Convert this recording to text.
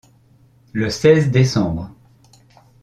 Le seize décembre